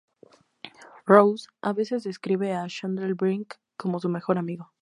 Ross a veces describe a Chandler Bing como su mejor amigo.